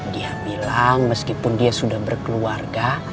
dia bilang meskipun dia sudah berkeluarga